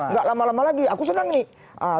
nggak lama lama lagi aku senang nih